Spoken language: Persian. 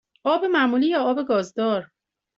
آب معمولی یا آب گازدار؟